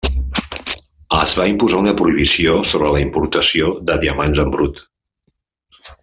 Es va imposar una prohibició sobre la importació de diamants en brut.